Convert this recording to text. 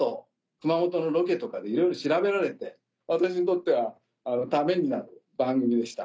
熊本のロケとかでいろいろ調べられて私にとってはためになる番組でした。